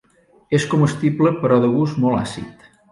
És comestible però de gust molt àcid.